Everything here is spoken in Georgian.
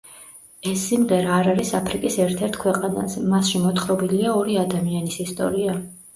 ეს სიმღერა არ არის აფრიკის ერთ-ერთ ქვეყანაზე, მასში მოთხრობილია ორი ადამიანის ისტორია.